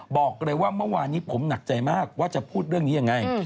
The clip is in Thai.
บอกเลยว่าเมื่อวานนี้ผมหนักใจมากว่าจะพูดเรื่องนี้ยังไง